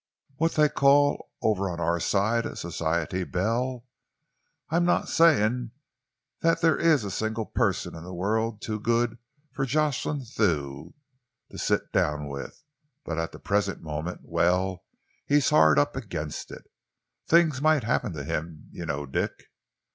what they call over on our side a society belle. I am not saying that there is a single person in the world too good for Jocelyn Thew to sit down with, but at the present moment well, he's hard up against it. Things might happen to him, you know, Dick."